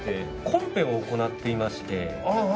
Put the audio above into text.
コンペを行っていまして。